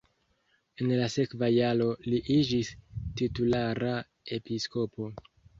En la sekva jaro li iĝis titulara episkopo.